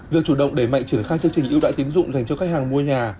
việc chủ động để mạnh trưởng khai chương trình yêu đại tiến dụng dành cho khách hàng mua nhà